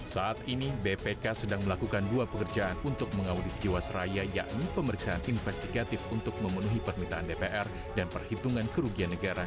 saat ini bpk sedang melakukan dua pekerjaan untuk mengaudit jiwasraya yakni pemeriksaan investigatif untuk memenuhi permintaan dpr dan perhitungan kerugian negara